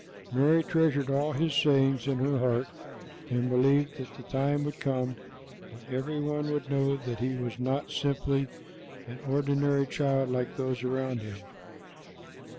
Mary treasured all His sayings in her heart and believed that the time would come when everyone would know that He was not simply an ordinary child like those around Him.